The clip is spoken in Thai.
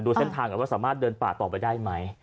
เส้นทางก่อนว่าสามารถเดินป่าต่อไปได้ไหม